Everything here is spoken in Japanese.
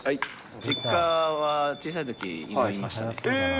実家は小さいとき、犬いましたね。